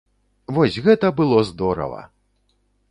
Вось гэта было здорава!